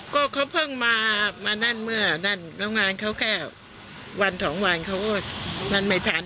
ก็เขาเพิ่งมานั่นเมื่อนั่นแล้วงานเขาแค่วันสองวันเขาก็นั่นไม่ทัน